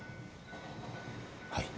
はい。